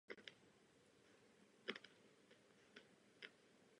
Tisíce z nich zde našly smrt.